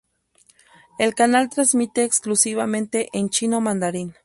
El canal transmite exclusivamente en chino mandarín.